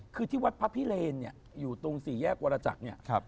คือที่วัดพระพิเรนเนี่ยอยู่ตรงสี่แยกวรจักรเนี่ย